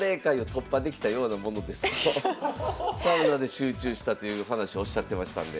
サウナで集中したという話おっしゃってましたんで。